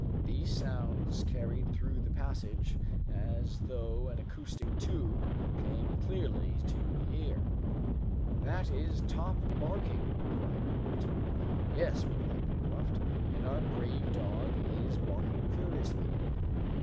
These sounds, carried through the passage as through an acoustic tube, came clearly to the ear. "That is Top barking!" cried Herbert. "Yes," replied Pencroft, "and our brave dog is barking furiously!"